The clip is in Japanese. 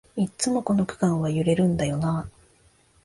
いっつもこの区間は揺れるんだよなあ